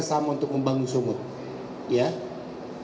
sama untuk membangun sumatera utara